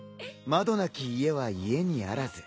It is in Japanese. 窓なき家は家にあらず。